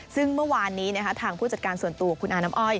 ซึ่งเมื่อวานนี้ทางผู้จัดการส่วนตัวคุณอาน้ำอ้อย